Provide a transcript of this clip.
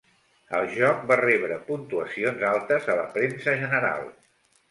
El joc va rebre puntuacions altes a la premsa general.